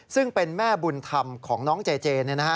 ซึ่งเป็นแม่บุญธรรมของน้องเจเจ